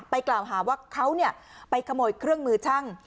กล่าวหาว่าเขาไปขโมยเครื่องมือช่าง